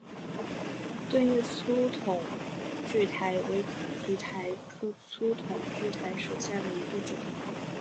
盾叶粗筒苣苔为苦苣苔科粗筒苣苔属下的一个种。